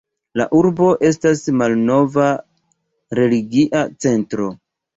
La urbo estas malnova religia centro.